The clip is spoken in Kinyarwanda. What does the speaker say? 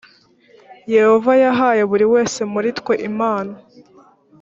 yehova yahaye buri wese muri twe impano